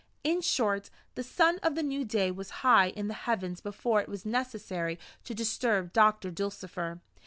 In short, the sun of the new day was high in the heavens before it was necessary to disturb Doctor Dulcifer.